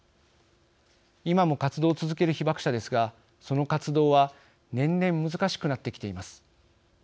今も活動を続ける被爆者ですがその活動は年々難しくなってきています。